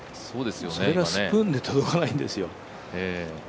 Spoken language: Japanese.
それがスプーンで届かないんですよ。